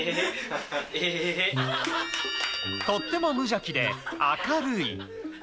とっても無邪気で、明るい。